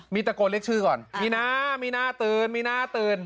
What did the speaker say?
มีตะโกนเรียกชื่อก่อนมีน้ามีหน้าตื่นมีหน้าตื่น